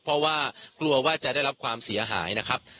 เพราะว่ากลัวว่าจะได้รับความเสียหายนะครับ